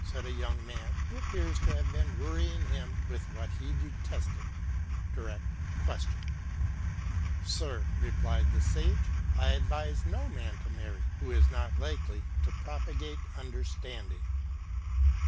said a young man who appears to have been worrying him with what he detested — direct question. " Sir," replied the sage, " I advise no man to marry who is not likely to propagate understanding."